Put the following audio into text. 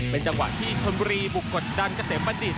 เป็นจังหวะที่ชนบุรีบุกกดดันเกษมบัณฑิต